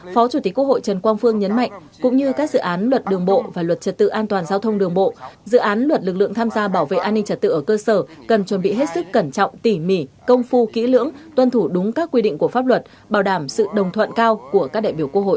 phó chủ tịch quốc hội trần quang phương nhấn mạnh cũng như các dự án luật đường bộ và luật trật tự an toàn giao thông đường bộ dự án luật lực lượng tham gia bảo vệ an ninh trật tự ở cơ sở cần chuẩn bị hết sức cẩn trọng tỉ mỉ công phu kỹ lưỡng tuân thủ đúng các quy định của pháp luật bảo đảm sự đồng thuận cao của các đại biểu quốc hội